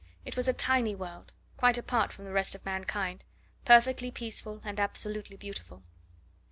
It was a tiny world quite apart from the rest of mankind, perfectly peaceful and absolutely beautiful.